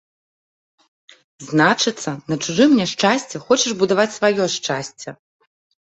Значыцца, на чужым няшчасці хочаш будаваць сваё шчасце!